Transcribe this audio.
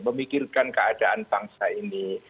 memikirkan keadaan bangsa ini